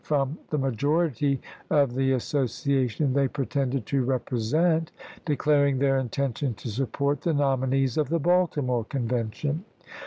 from the majority of the association they pretended to represent, declaring their intention to support the nominees of the Baltimore Convention.